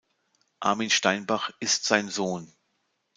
Armin Steinbach ist sein Sohn.